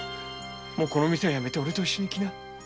もうこの店はやめておれと一緒に来な。